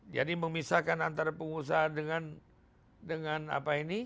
jadi memisahkan antara pengusaha dengan apa ini